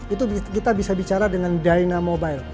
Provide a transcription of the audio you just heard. itu kita bisa bicara dengan dyna mobile